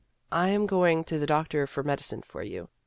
" I am going to the doctor for medicine for you.